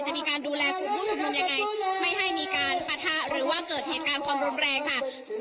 จะมีการดูแลของผู้ชุมหนูยังไงไม่ให้มีประทะหรือเกิดเหตุการณ์ความรวมแรงค่ะ